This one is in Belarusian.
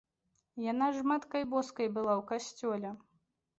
Яна ж маткай боскай была ў касцёле.